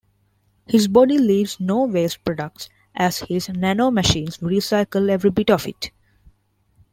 His body leaves no waste products as his nanomachines recycle every bit of it.